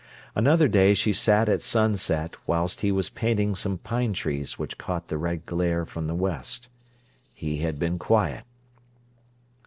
Another day she sat at sunset whilst he was painting some pine trees which caught the red glare from the west. He had been quiet.